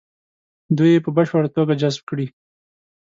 دوی یې په بشپړه توګه جذب کړي.